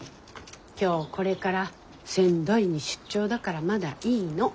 今日これから仙台に出張だからまだいいの。